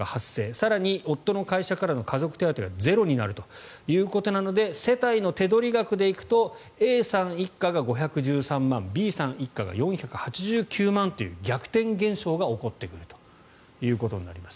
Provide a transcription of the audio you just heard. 更に、夫の会社からの家族手当がゼロになるということなので世帯の手取り額でいくとＡさん一家が５１３万円Ｂさん一家が４８９万という逆転現象が起こってくるということになります。